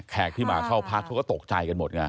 ที่มาเข้าพักเขาก็ตกใจกันหมดไง